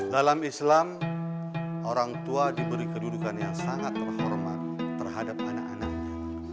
dalam islam orang tua diberi kedudukan yang sangat terhormat terhadap anak anaknya